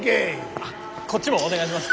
あっこっちもお願いします。